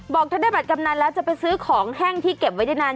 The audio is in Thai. บอกถ้าได้บัตรกำนันแล้วจะไปซื้อของแห้งที่เก็บไว้ได้นาน